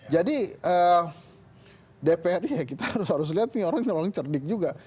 jadi dpr ini kita harus lihat orang orang yang cerdik juga